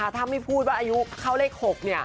ถ้าไม่พูดว่าอายุเข้าเลข๖